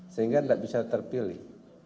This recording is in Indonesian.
sehingga tidak bisa terpilih